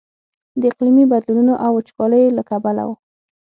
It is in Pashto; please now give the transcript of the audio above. د اقلیمي بدلونونو او وچکاليو له کبله و.